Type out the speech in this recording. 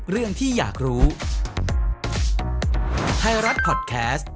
เรื่องรอบขอบสนาม